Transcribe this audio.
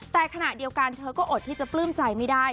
แต่ขณะเดียวกันเธอก็อดที่จะปลื้มใจไม่ได้